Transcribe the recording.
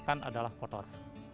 kan adalah kotor